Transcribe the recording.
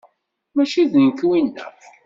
Mačči d nekk winna.